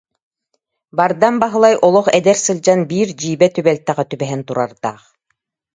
Бардам Баһылай олох эдэр сылдьан биир дьиибэ түбэлтэҕэ түбэһэн турардаах